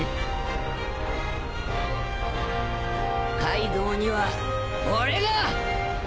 カイドウには俺が！